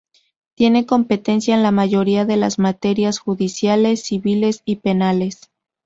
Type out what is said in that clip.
Tiene competencia en la mayoría de las materias judiciales civiles y penales.